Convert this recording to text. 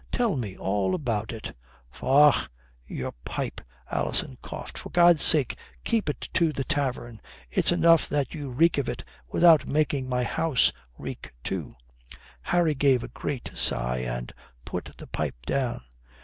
Tell me all about it." "Faugh! Your pipe," Alison coughed. "For God's sake keep it to the tavern. It's enough that you reek of it without making my house reek too." Harry gave a great sigh and put the pipe down.